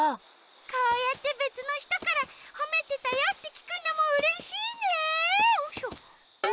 こうやってべつのひとからほめてたよってきくのもうれしいね！